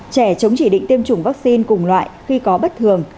trẻ chống chỉ định tiêm chủng vaccine cùng loại khi có bất thường